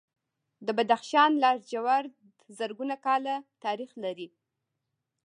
د بدخشان لاجورد زرګونه کاله تاریخ لري